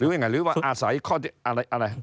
หรือว่าอาศัยอะไร